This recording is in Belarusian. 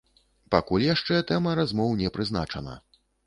Пакуль яшчэ тэма размоў не прызначана.